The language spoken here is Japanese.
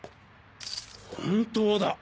本当だ。